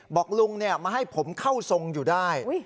บอกลุงมาให้ผมเข้าทรงอยู่ได้